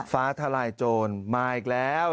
ฟ้าทลายโจรมาอีกแล้ว